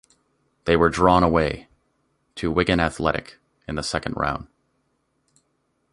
They were then drawn away to Wigan Athletic in the second round.